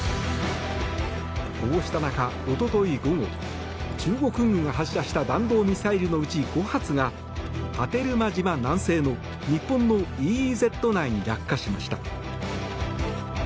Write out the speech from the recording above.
こうした中、一昨日午後中国軍が発射した弾道ミサイルのうち５発が波照間島南西の日本のＥＥＺ内に落下しました。